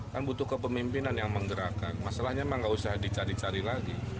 kan butuh kepemimpinan yang menggerakkan masalahnya emang gak usah dicari cari lagi